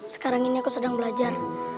sekarang ini aku sedang belajar